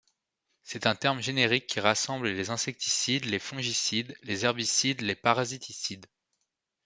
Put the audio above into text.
C'est un terme générique qui rassemble les insecticides, les fongicides, les herbicides, les parasiticides.